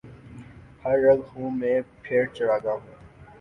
ہر رگ خوں میں پھر چراغاں ہو